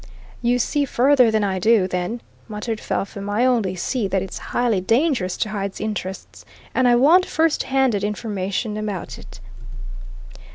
"You see further than I do, then," muttered Felpham. "I only see that it's highly dangerous to Hyde's interests. And I want first handed information about it."